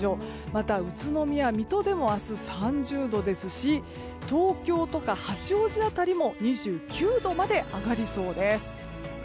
また、宇都宮、水戸でも明日３０度ですし東京とか八王子辺りも２９度まで上がりそうです。